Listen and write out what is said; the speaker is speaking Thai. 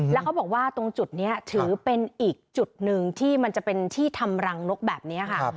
แล้วเขาบอกว่าตรงจุดนี้ถือเป็นอีกจุดหนึ่งที่มันจะเป็นที่ทำรังนกแบบนี้ค่ะ